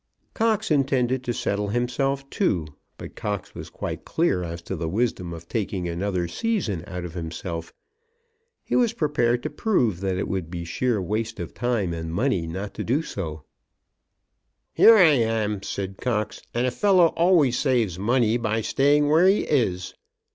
Cox intended to settle himself too, but Cox was quite clear as to the wisdom of taking another season out of himself. He was prepared to prove that it would be sheer waste of time and money not to do so. "Here I am," said Cox, "and a fellow always saves money by staying where he is."